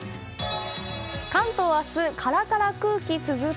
関東明日、カラカラ空気続く。